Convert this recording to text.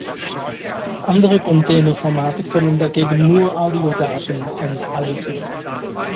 Andere Container-Formate können dagegen nur Audiodaten enthalten.